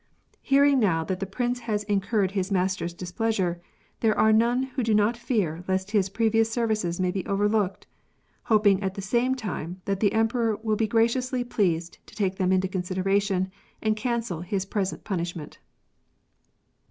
Hearing now that the Prince has incurred his master's displeasure, there are none who do not fear lest his pre vious services may be overlooked, hoping at the same time that the Emperor will be graciously pleased to take them into consideration and cancel his present punishment.''